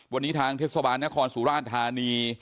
วันนี้ทางเทศบาลนครสุราชธานี